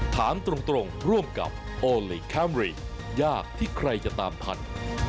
ถามตรงร่วมกับโอลี่คัมรี่ยากที่ใครจะตามทัน